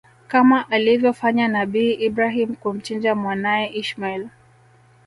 Kama alivyofanya nabii Ibrahim kumchinja mwanae Ismail